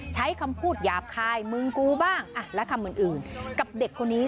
ใช้คำพูดหยาบคายมึงกูบ้างและคำอื่นกับเด็กคนนี้